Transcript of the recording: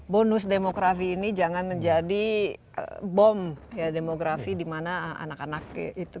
bonus demografi ini jangan menjadi bom demografi di mana anak anak itu kita rekomendasikan